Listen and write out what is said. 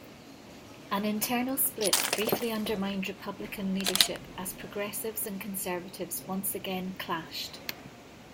An internal split briefly undermined Republican leadership, as progressives and conservatives once again clashed.